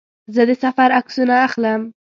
زه د سفر عکسونه اخلم.